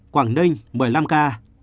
quảng ninh một mươi năm ca